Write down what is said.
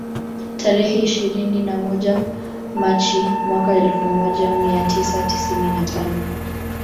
Tarehe ishirini na moja Machi mwaka elfu moja mia tisa tisini na tano